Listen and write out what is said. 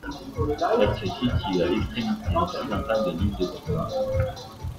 Elle se situe à l'extrémité occidentale de l'île de Cuba.